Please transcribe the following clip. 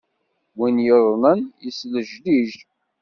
Win yuḍenen, yeslejlij.